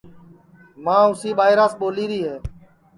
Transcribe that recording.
ماں اُسی ٻائیراس ٻولیری ہے